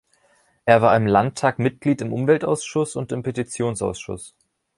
Er war im Landtag Mitglied im Umweltausschuss und im Petitionsausschuss.